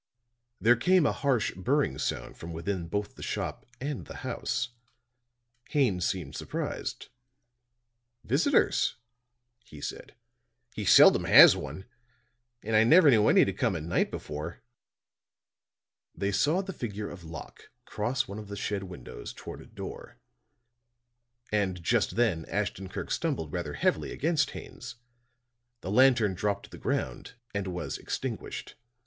There came a harsh burring sound from within both the shop and the house. Haines seemed surprised. "Visitors," he said. "He seldom has one; and I never knew any to come at night before." They saw the figure of Locke cross one of the shed windows toward a door. And just then Ashton Kirk stumbled rather heavily against Haines; the lantern dropped to the ground and was extinguished.